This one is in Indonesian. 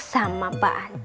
sama mbak andi